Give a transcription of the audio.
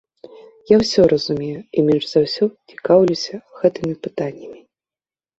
Я ўсё разумею і менш за ўсё цікаўлюся гэтымі пытаннямі.